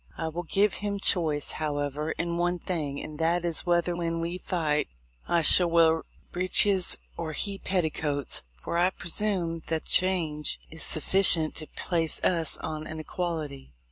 I will give him choice, however, in one thing, and that is, whether, when we fight, I shall wear breeches or he petticoats, for, I presume that change is suffi cient to place us on an equality.